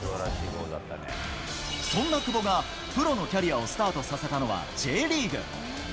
そんな久保がプロのキャリアをスタートさせたのは、Ｊリーグ。